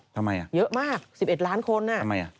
ทำไมอ่ะเยอะมาก๑๑ล้านคนอ่ะทำไมอ่ะ